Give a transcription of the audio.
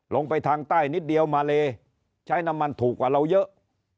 ลงไปทางใต้นิดเดียวมาเลใช้น้ำมันถูกกว่าเราเยอะ